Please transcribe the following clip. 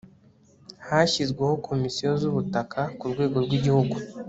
hashyizweho komisiyo z'ubutaka ku rwego rw'igihugu